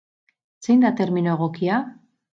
Zein da termino egokia?